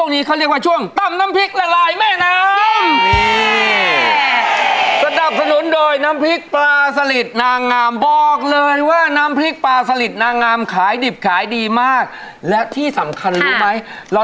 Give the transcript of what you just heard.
ไม่มีบอกเลยว่านี่คือปลาสลิดแท้